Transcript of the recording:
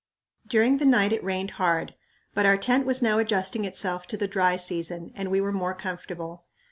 During the night it rained hard, but our tent was now adjusting itself to the "dry season" and we were more comfortable.